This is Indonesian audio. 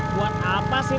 buat apa sih